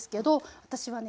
私はね